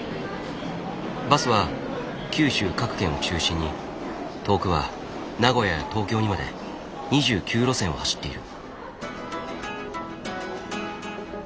バスは九州各県を中心に遠くは名古屋や東京にまで２９路線を走っている。